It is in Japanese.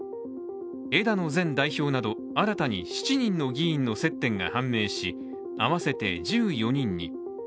枝野前代表など新たに７人の議員の接点が判明し合わせて１４人に。